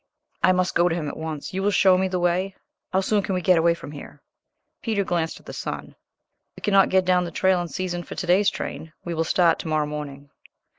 "I must go to him at once; you will show me the way. How soon can we get away from here?" Peter glanced at the sun. "We cannot get down the trail in season for to day's train. We will start to morrow morning."